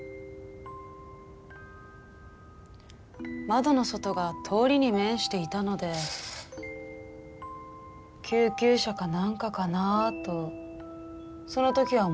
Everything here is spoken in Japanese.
窓の外が通りに面していたので救急車か何かかなあとその時は思っていました。